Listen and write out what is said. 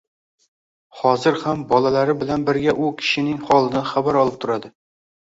Hozir ham bolalari bilan birga u kishining holidan xabar olib turadi